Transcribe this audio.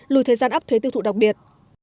lùi thời gian ấp thuế tiêu thụ đặc biệt